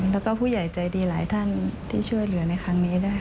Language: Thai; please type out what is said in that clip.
แล้วก็ผู้ใหญ่ใจดีหลายท่านที่ช่วยเหลือในครั้งนี้ด้วย